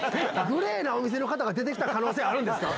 グレーなお店の方が出て来た可能性あるんですか？